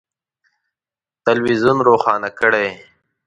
تلویزون روښانه کړئ